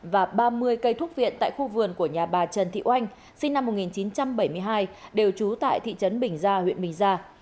và ba mươi cây thuốc viện tại khu vườn của nhà bà trần thị oanh sinh năm một nghìn chín trăm bảy mươi hai đều trú tại thị trấn bình gia huyện bình gia